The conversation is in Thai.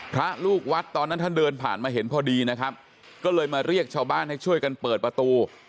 พระลูกวัดตอนนั้นท่านเดินผ่านมาเห็นพอดีนะครับก็เลยมาเรียกชาวบ้านให้ช่วยกันเปิดประตู